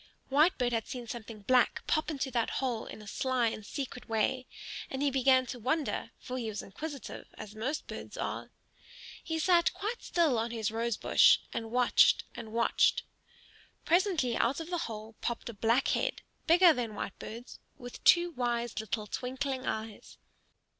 Whitebird had seen something black pop into that hole in a sly and secret way, and he began to wonder; for he was inquisitive, as most birds are. He sat quite still on his rose bush and watched and watched. Presently out of the hole popped a black head, bigger than Whitebird's, with two wise little twinkling eyes.